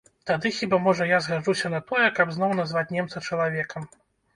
Тады хіба можа я згаджуся на тое, каб зноў назваць немца чалавекам.